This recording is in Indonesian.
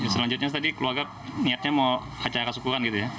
selanjutnya tadi keluarga niatnya mau acara syukuran gitu ya